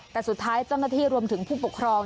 แต่สุดท้ายเจ้าหน้าที่รวมถึงผู้ปกครอง